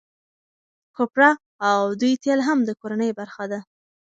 کوپره او دوی تېل هم د کورنۍ برخه ده.